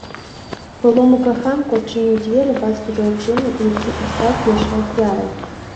Былому каханку адчыніў дзверы бацька дзяўчыны, які і стаў першай ахвярай.